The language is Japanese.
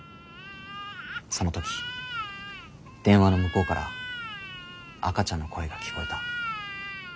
その時電話の向こうから赤ちゃんの声が聞こえた。